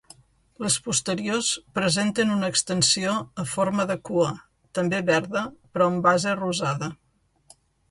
Les posteriors presenten una extensió a forma de cua també verda però amb base rosada.